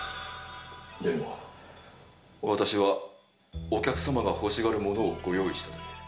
でも私はお客様が欲しがるものをご用意しただけ。